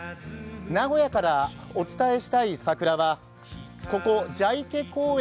名古屋からお伝えしたい桜はここ蛇池公園